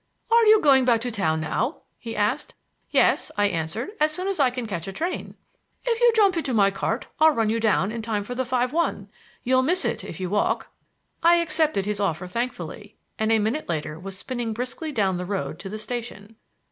"Are you going back to town now?" he asked. "Yes," I answered; "as soon as I can catch a train." "If you jump into my cart I'll run you down in time for the five one. You'll miss it if you walk." I accepted his offer thankfully, and a minute later was spinning briskly down the road to the station.